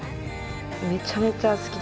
めちゃめちゃ好きです